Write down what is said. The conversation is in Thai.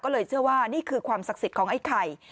ก็เลยเชื่อว่านี่คือความศักดิ์สิทธิ์ของไอ้ไข่